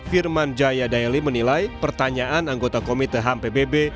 firman jaya daeli menilai pertanyaan anggota komite ham pbb